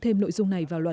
thêm nội dung này vào luật